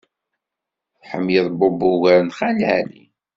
Tḥemmleḍ Bob ugar n Xali Ɛli.